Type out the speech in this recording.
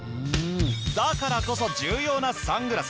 だからこそ重要なサングラス。